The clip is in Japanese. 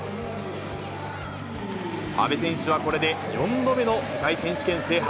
阿部選手はこれで４度目の世界選手権制覇。